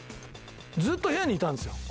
ずっと部屋にいたんですよ。